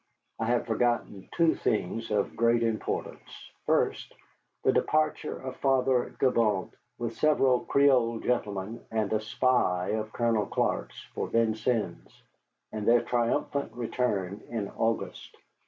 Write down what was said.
I have forgotten two things of great importance. First, the departure of Father Gibault with several Creole gentlemen and a spy of Colonel Clark's for Vincennes, and their triumphant return in August.